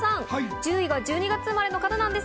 １０位が１２月生まれです。